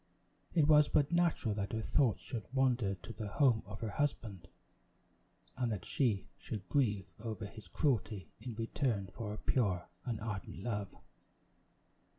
It was but natural that her thoughts should wander to the home of her husband, and that she should grieve over his cruelty in return for her pure and ardent love.